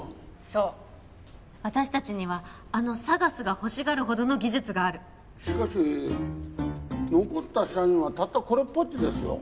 そう私達にはあのＳＡＧＡＳが欲しがるほどの技術があるしかし残った社員はたったこれっぽっちですよ